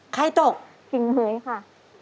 ใครตกจริงเลยครับ